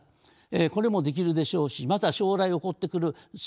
これも出来るでしょうしまた将来起こってくる食糧問題